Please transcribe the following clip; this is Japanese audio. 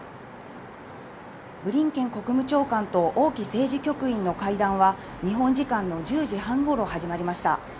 ブリンケン国務長官とオウ・キ政治局員の会談は日本時間の１０時半ごろ始まりました。